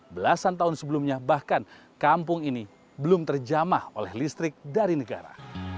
belasan tahun sebelumnya bahkan kampung ini belum terjamah oleh listrik dari negara